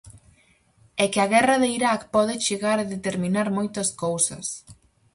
E que a guerra de Iraq pode chegar a determinar moitas cousas.